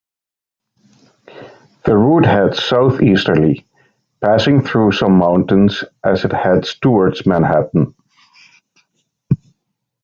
The route heads southeasterly, passing through some mountains as it heads towards Manhattan.